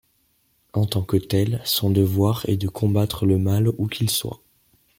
En tant que tel, son devoir est de combattre le mal où qu'il soit.